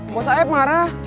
bukan saya marah